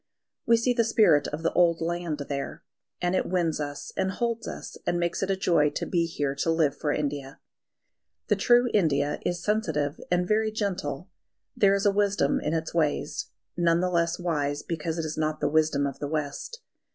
We see the spirit of the old land there; and it wins us and holds us, and makes it a joy to be here to live for India. The true India is sensitive and very gentle. There is a wisdom in its ways, none the less wise because it is not the wisdom of the West.